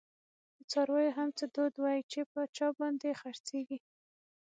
د څارویو هم څه دود وی، چی په چا باندي خر څیږی